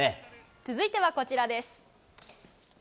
続いては、こちらです。